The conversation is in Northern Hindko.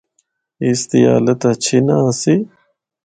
اس دی حالت ہچھی نہ آسی۔